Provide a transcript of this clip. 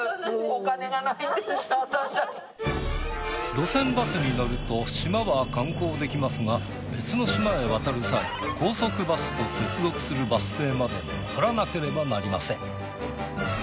路線バスに乗ると島は観光できますが別の島へ渡る際高速バスと接続するバス停まで戻らなければなりません。